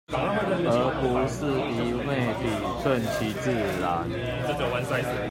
而不是一昧地順其自然